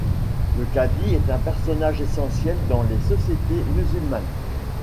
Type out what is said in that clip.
Le cadi est un personnage essentiel dans les sociétés musulmanes.